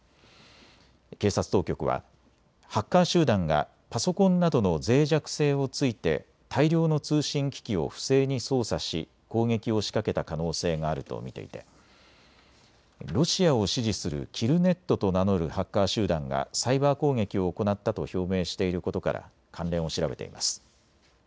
警察当局はハッカー集団がパソコンなどのぜい弱性を突いて大量の通信機器を不正に操作し攻撃を仕掛けた可能性があると見ていてロシアを支持するキルネットと名乗るハッカー集団がサイバー攻撃を行ったと表明していることから関連を調べています。